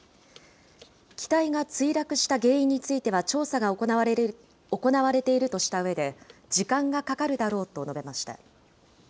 機体が墜落した原因については調査が行われているとしたうえで、時間がかかるだろうと述べました。